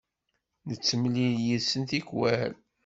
Nettemlil yid-sen tikwal.